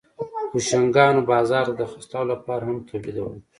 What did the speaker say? بوشونګانو بازار ته د خرڅلاو لپاره هم تولیدول